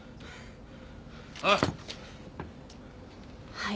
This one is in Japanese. はい。